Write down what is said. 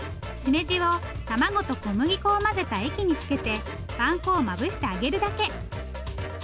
しめじを卵と小麦粉を混ぜた液につけてパン粉をまぶして揚げるだけ。